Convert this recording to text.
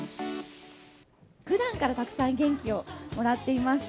ふだんからたくさん元気をもらっています。